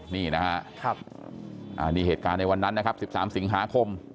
นี่นะฮะอันนี้เหตุการณ์ในวันนั้นนะครับ๑๓สิงหาคม